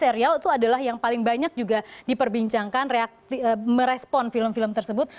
selanjutnya kita lihat tv serial itu adalah yang paling banyak juga diperbincangkan merespon film film tersebut